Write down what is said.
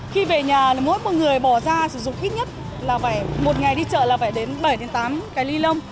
khi về nhà mỗi một người bỏ ra sử dụng ít nhất là phải một ngày đi chợ là phải đến bảy tám cái ly lông